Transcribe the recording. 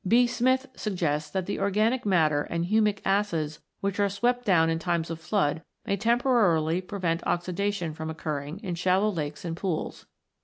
B. Smith (43) suggests that the organic matter and humic acids which are swept down in times of flood may temporarily prevent oxidation from occurring in shallow lakes and pools.